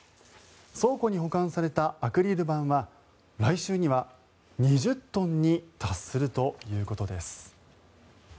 倉庫に保管されたアクリル板は来週には２０トンに達するということです。